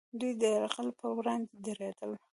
دوی د یرغلګرو پر وړاندې دریدل